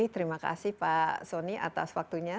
terima kasih pak soni atas waktunya